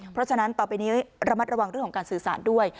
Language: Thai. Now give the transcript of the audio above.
เพราะฉะนั้นต่อไปนี้ระมัดระวังเรื่องของการสื่อสารด้วย